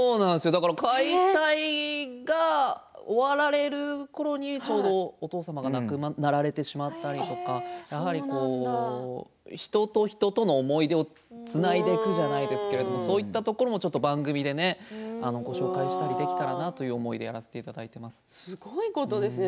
解体が終わられるころにお父様が亡くなられてしまったりとか人と人との思い出をつないでいくじゃないですけどそういったところもちょっと番組でご紹介したりできたらなという思いですごいことですね。